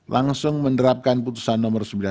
langsung menerapkan putusan nomor sembilan belas